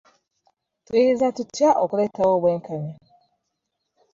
Tuyinza tutya okuleetawo obwenkanya?